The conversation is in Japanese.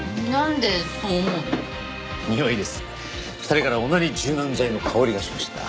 ２人から同じ柔軟剤の香りがしました。